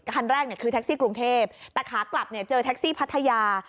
คันแรกเนี่ยคือแท็กซี่กรุงเทพแต่ขากลับเนี่ยเจอแท็กซี่พัทยา